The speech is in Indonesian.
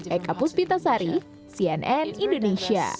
eka puspita sari cnn indonesia